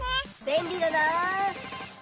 べんりだなあ。